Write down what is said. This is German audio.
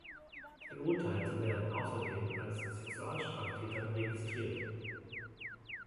Verurteilte werden außerdem als Sexualstraftäter registriert.